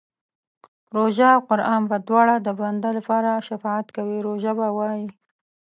روژه او قران به دواړه د بنده لپاره شفاعت کوي، روژه به وايي